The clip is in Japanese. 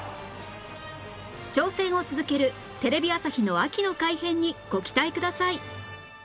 挑戦を続けるテレビ朝日の秋の改編にご期待ください